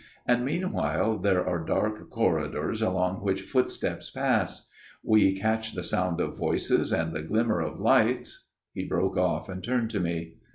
And meanwhile there are dark corridors along which footsteps pass ; we catch the sound of voices, and the glimmer of lights " He broke off, and turned to me.